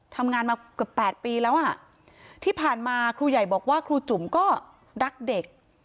ทำงานมาเกือบ๘ปีแล้วอ่ะที่ผ่านมาครูใหญ่บอกว่าครูจุ๋มก็รักเด็ก